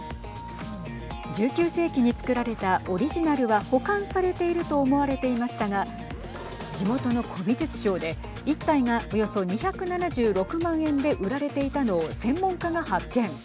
１９世紀に作られたオリジナルは保管されていると思われていましたが地元の古美術商で１体がおよそ２７６万円で売られていたのを専門家が発見。